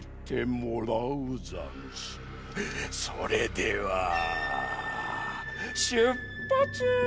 それではしゅっぱつしんこう！